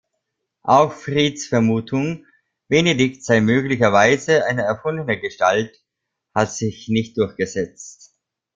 Auch Frieds Vermutung, Benedikt sei möglicherweise eine erfundene Gestalt, hat sich nicht durchgesetzt.